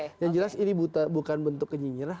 mungkin mopnas ini bukan bentuk kenyinyirah